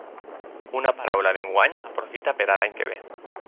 Una paraula d'enguany aprofita per a l'any que ve.